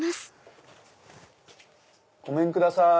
ごめんください！